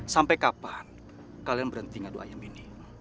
sampai kapan kalian berhenti ngadu ayam ini